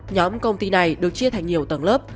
nhóm công ty này được chia thành nhiều tầng lớp